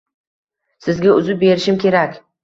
Sizga uzib berishim kerak.